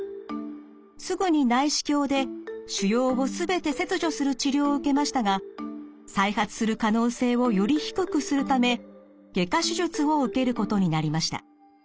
すぐに内視鏡で腫瘍を全て切除する治療を受けましたが再発する可能性をより低くするため外科手術を受けることになりました。